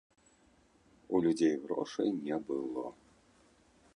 У людзей грошай не было.